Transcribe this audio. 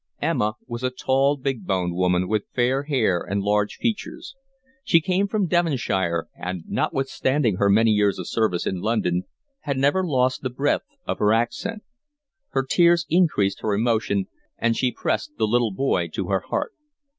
Emma was a tall, big boned woman, with fair hair and large features. She came from Devonshire and, notwithstanding her many years of service in London, had never lost the breadth of her accent. Her tears increased her emotion, and she pressed the little boy to her heart.